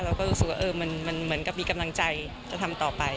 เราก็รู้สึกว่ามันเหมือนกับมีกำลังใจจะทำต่อไป